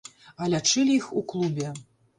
А лячылі іх у клубе.